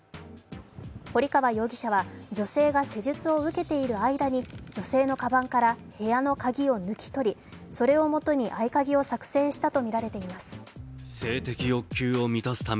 堀川容疑者は女性が施術を受けている間に女性のかばんから部屋の鍵を抜き取りそれをもとに合鍵を作成したとみられています。